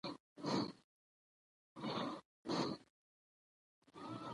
د اداره امور رئیس فضل محمود فضلي